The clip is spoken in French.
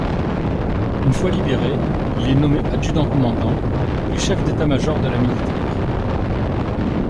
Une fois libéré, il est nommé adjudant-commandant puis chef d'état-major de la militaire.